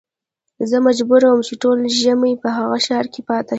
زه مجبور وم چې ټول ژمی په هغه ښار کې پاته شم.